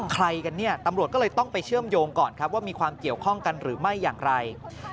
ใครกันเนี่ยตำรวจก็เลยต้องไปเชื่อมโยงก่อนครับว่ามีความเกี่ยวข้องกันหรือไม่อย่างไร